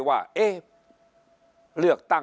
ฝ่ายชั้น